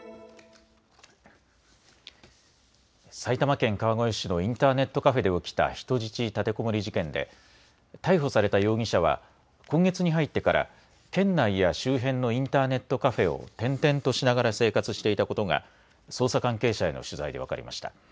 埼玉県川越市のインターネットカフェで起きた人質立てこもり事件で逮捕された容疑者は今月に入ってから県内や周辺のインターネットカフェを転々としながら生活していたことが捜査関係者への取材で分かりました。